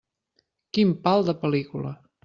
Quin pal de pel·lícula.